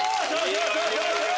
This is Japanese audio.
よしよし！